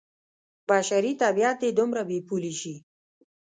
بشري طبعیت دې دومره بې پولې شي.